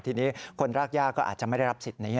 ทีนี้คนรากย่าก็อาจจะไม่ได้รับสิทธิ์นี้